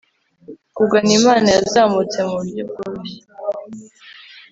kugana imana yazamutse mu buryo bworoshye